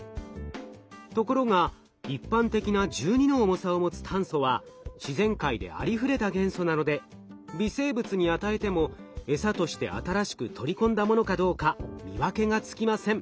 ところが一般的な１２の重さを持つ炭素は自然界でありふれた元素なので微生物に与えてもエサとして新しく取り込んだものかどうか見分けがつきません。